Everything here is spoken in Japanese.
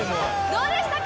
どうでしたか？